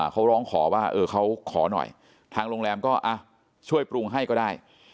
เขาร้องขอว่าเขาขอหน่อยทางโรงแรมก็ช่วยปรุงให้ก็ได้